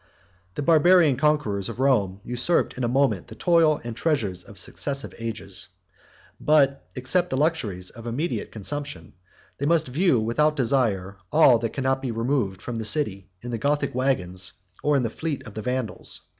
The Barbarian conquerors of Rome usurped in a moment the toil and treasure of successive ages; but, except the luxuries of immediate consumption, they must view without desire all that could not be removed from the city in the Gothic wagons or the fleet of the Vandals.